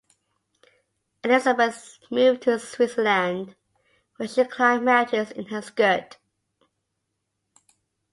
Elizabeth moved to Switzerland, where she climbed mountains in her skirt.